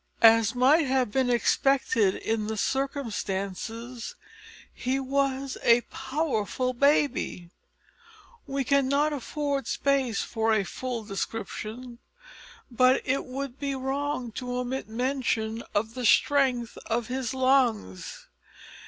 As might have been expected in the circumstances, he was a powerful baby. We cannot afford space for a full description, but it would be wrong to omit mention of the strength of his lungs.